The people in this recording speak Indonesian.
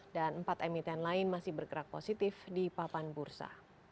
dan empat emiten lain masih bergerak positif di papan bursa